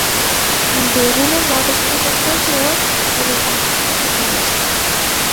বেলুড়ে মঠস্থাপনকার্যেও তিনি অর্থসাহায্য করিয়াছিলেন।